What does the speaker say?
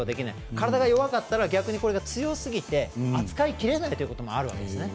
体が弱かったら逆にこれが強すぎて扱いきれないということがあるわけですね。